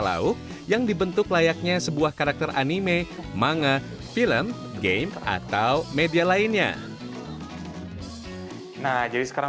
lauk yang dibentuk layaknya sebuah karakter anime manga film game atau media lainnya nah jadi sekarang